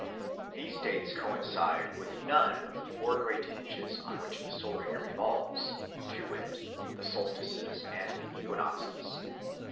These dates coincide with none of the four great hinges on which the solar year revolves, to wit, the solstices and the equinoxes.